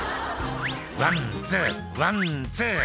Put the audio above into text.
「ワン・ツーワン・ツー」